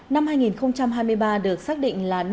năm hai nghìn hai mươi ba được xác định là năm